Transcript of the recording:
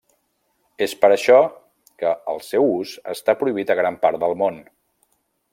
És per això que el seu ús està prohibit a gran part del món.